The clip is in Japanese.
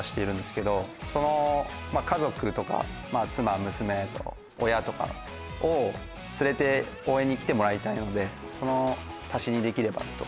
家族とか妻娘と親とかを連れて応援に来てもらいたいのでその足しにできればと。